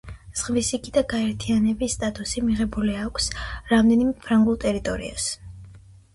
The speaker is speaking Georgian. ზღვისიქითა გაერთიანების სტატუსი მიღებული აქვს, რამდენიმე ფრანგულ ტერიტორიას.